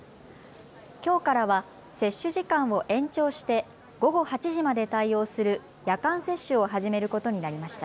きょうからは接種時間を延長して午後８時まで対応する夜間接種を始めることになりました。